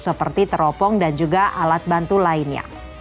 seperti teropong dan juga alat bantu lainnya